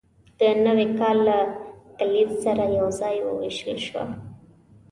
د نوي کال له کلیز سره یوځای وویشل شوه.